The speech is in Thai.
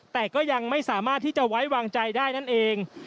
แต่ก็ยังไม่สามารถที่จะไว้วางใจได้นั่นเอง